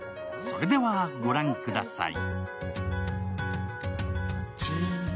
それでは、御覧ください。